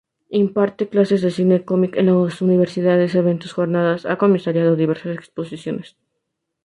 Imparte clases de cine y cómic en universidades, eventos, jornadas... Ha comisariado diversas exposiciones.